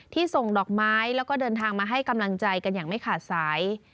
ส่งดอกไม้แล้วก็เดินทางมาให้กำลังใจกันอย่างไม่ขาดสาย